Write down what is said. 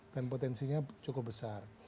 dan potensinya cukup besar